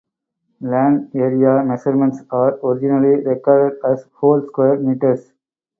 Land area measurements are originally recorded as whole square meters.